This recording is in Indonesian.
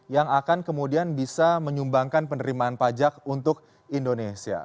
yang akan kemudian bisa menyumbangkan penerimaan pajak untuk indonesia